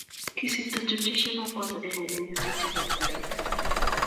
kisirto tupchesiekab koot agenge eng' nyasutietab karit